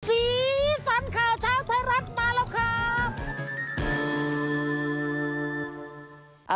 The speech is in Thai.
สีสันข่าวเช้าไทยรัฐมาแล้วครับ